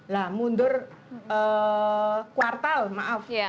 nah mundur kuartal maaf